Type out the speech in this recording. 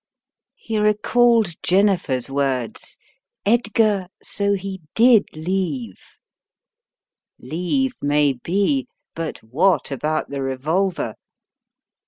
He recalled Jennifer's words: "Edgar — so he did leave " Leave maybe — but what about the revolver?